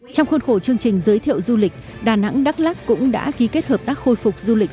trong khuôn khổ chương trình giới thiệu du lịch đà nẵng đắk lắc cũng đã ký kết hợp tác khôi phục du lịch